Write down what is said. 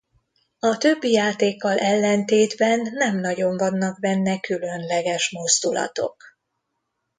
A többi játékkal ellentétben nem nagyon vannak benne különleges mozdulatok.